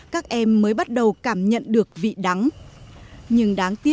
các em mới bắt đầu cảm nhận được vị trí